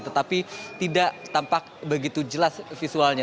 tetapi tidak tampak begitu jelas visualnya